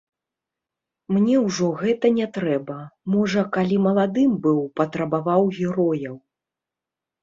Мне ўжо гэта не трэба, можа, калі маладым быў, патрабаваў герояў.